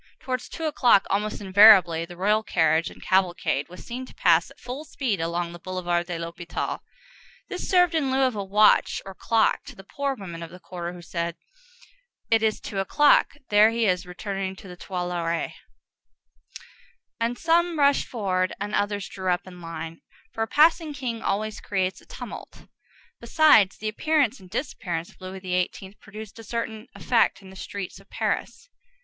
Towards two o'clock, almost invariably, the royal carriage and cavalcade was seen to pass at full speed along the Boulevard de l'Hôpital. This served in lieu of a watch or clock to the poor women of the quarter who said, "It is two o'clock; there he is returning to the Tuileries." And some rushed forward, and others drew up in line, for a passing king always creates a tumult; besides, the appearance and disappearance of Louis XVIII. produced a certain effect in the streets of Paris.